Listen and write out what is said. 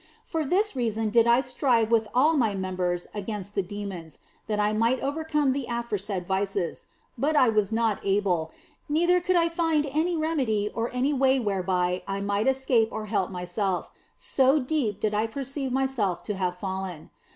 For this reason did I strive with all my members against the demons, that I might overcome the aforesaid vices, but I was not able, neither could I find any remedy or any way whereby I might escape or help myself, so deep did I perceive myself to have fallen.